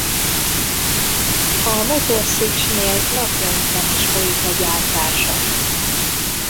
A Motor Szicsnél napjainkban is folyik a gyártása.